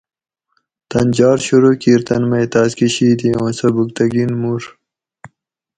تن جار شروع کیِر تن مئ تاۤس کہۤ شید ہی اوُں سبکتگین مور